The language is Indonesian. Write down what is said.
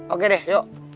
oke deh yuk